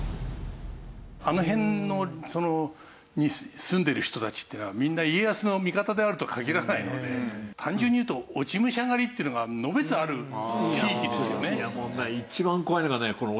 あの辺に住んでる人たちっていうのはみんな家康の味方であるとは限らないので単純にいうと落武者狩りっていうのがのべつある地域ですよね。